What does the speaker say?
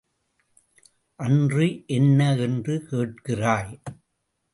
அன்று என்ன என்று கேட்கிறாய்?